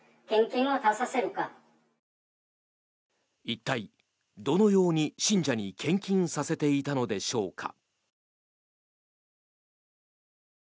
一体、どのように信者に献金させていたのでしょうか。